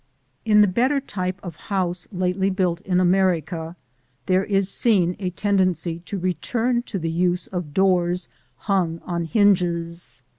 ] In the better type of house lately built in America there is seen a tendency to return to the use of doors hung on hinges.